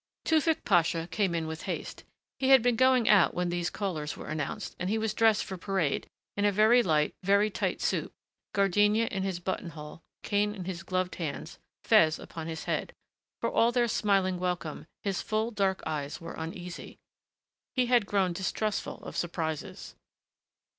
Tewfick Pasha came in with haste. He had been going out when these callers were announced and he was dressed for parade, in a very light, very tight suit, gardenia in his button hole, cane in his gloved hands, fez upon his head. For all their smiling welcome, his full, dark eyes were uneasy. He had grown distrustful of surprises.